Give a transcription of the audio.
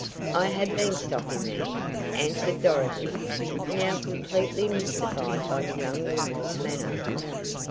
"I have been stopping there," answered Dorothy, now completely mystified by the young woman's manner.